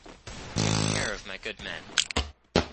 Take care of my good men.